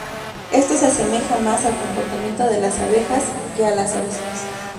Esto se asemeja más al comportamiento de las abejas que a las avispas.